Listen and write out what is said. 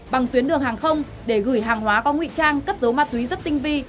bằng tuyến đường hàng không để gửi hàng hóa có nguy trang cất giấu ma túy rất tinh vi